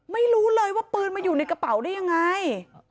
ไม่รู้เลยว่าปืนมาอยู่ในกระเป๋าได้ยังไง